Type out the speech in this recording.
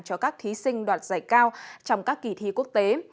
cho các thí sinh đoạt giải cao trong các kỳ thi quốc tế